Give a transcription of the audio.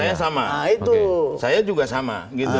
pak resman kita dengarkan pak deddy dulu